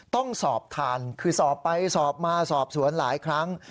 ต้องสอบทานคือสอบไปสอบมาสอบสวนหลายครั้ง